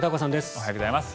おはようございます。